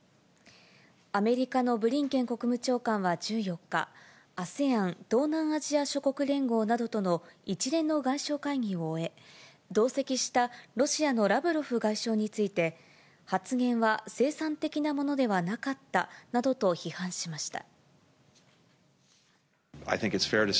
アメリカのブリンケン国務長官は１４日、ＡＳＥＡＮ・東南アジア諸国連合などとの一連の外相会議を終え、同席したロシアのラブロフ外相について、発言は生産的なものではなかったなどと批判しました。